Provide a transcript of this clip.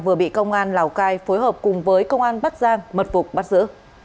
vừa bị công an lào cai phối hợp cùng với công an bắt giang mật phục bắt giữ